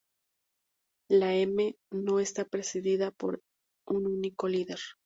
La Eme no está presidida por un único líder.